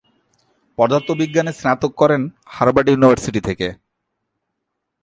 পদার্থবিজ্ঞানে স্নাতক করেন হার্ভার্ড ইউনিভার্সিটি থেকে।